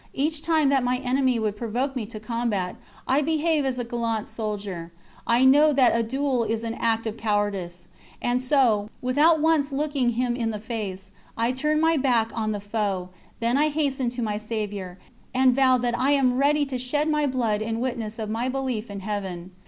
Each time that my enemy would provoke me to combat, I behave as a gallant soldier. I know that a duel is an act of cowardice, and so, without once looking him in the face, I turn my back on the foe, then I hasten to my Saviour, and vow that I am ready to shed my blood in witness of my belief in Heaven.